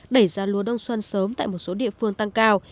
đẩy ra lúa đông xuân sớm tại một số địa phương tăng cao